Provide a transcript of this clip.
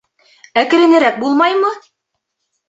— Әкренерәк булмаймы?